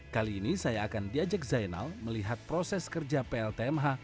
kali ini saya akan diajak zainal melihat proses kerja pltmh